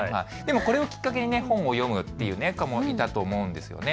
これをきっかけに本を読むという子もいたと思うんですね。